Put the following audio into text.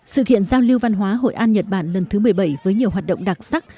sự kiện giao lưu văn hóa hội an nhật bản lần thứ một mươi bảy với nhiều hoạt động đặc sắc